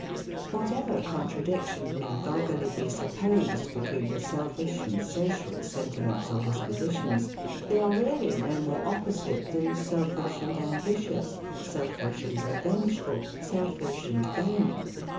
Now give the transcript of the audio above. Whatever contradiction may vulgarly be supposed between the SELFISH and SOCIAL sentiments or dispositions, they are really no more opposite than selfish and ambitious, selfish and revengeful, selfish and vain.